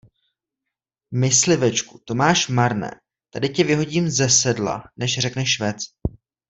Myslivečku, to máš marné: tady tě vyhodím ze sedla, než řekneš švec.